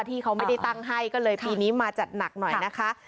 ที่เขาไม่ได้ตั้งให้ก็เลยปีนี้มาจัดหนักหน่อยนะคะ